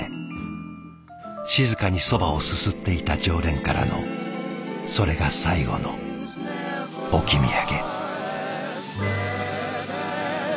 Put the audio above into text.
静かにそばをすすっていた常連からのそれが最後の置き土産。